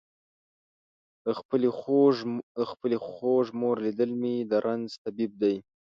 د خپلې خوږ مور لیدل مې د رنځ طبیب دی.